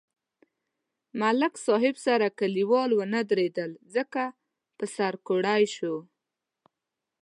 ملک صاحب سره کلیوال و نه درېدل ځکه په سر کوړئ شو.